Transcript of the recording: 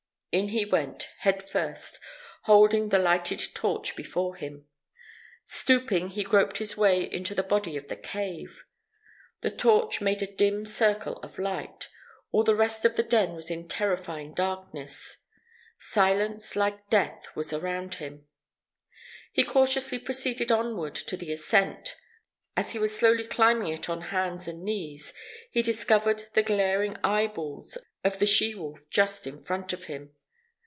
In he went, headfirst, holding the lighted torch before him. Stooping, he groped his way into the body of the cave. The torch made a dim circle of light; all the rest of the den was in terrifying darkness. Silence like death was around him. He cautiously proceeded onward to an ascent. As he was slowly climbing it on hands and knees, he discovered the glaring eyeballs of the she wolf just in front of him.